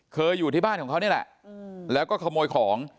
อยู่ที่บ้านของเขานี่แหละแล้วก็ขโมยของ